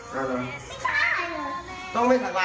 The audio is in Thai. เราต้องไม่สากลาย